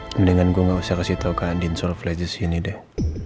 mendingan gue gak usah kasih tau ke andien soal flasher sini deh